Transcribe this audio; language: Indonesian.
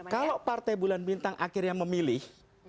kalau ps akhirnya memilih